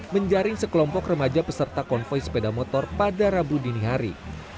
menjaring sekelompok remaja peserta konvoy sepeda motor pada rabu dini hari